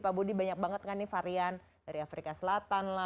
pak budi banyak banget kan ini varian dari afrika selatan lah